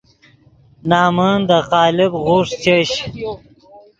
نَمن دے قالب غوݰ چش